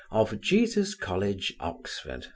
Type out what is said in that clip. of Jesus college, Oxon.